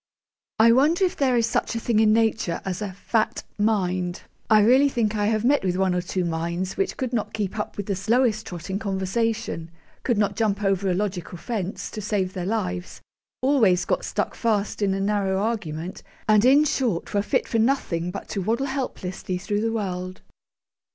I wonder if there is such a thing in nature as a FAT MIND? I really think I have met with one or two: minds which could not keep up with the slowest trot in conversation; could not jump over a logical fence, to save their lives; always got stuck fast in a narrow argument; and, in short, were fit for nothing but to waddle helplessly through the world.